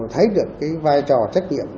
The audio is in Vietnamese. thấy được cái vai trò trách nhiệm